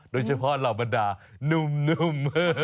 โดยเฉพาะเรามาด่านุ่ม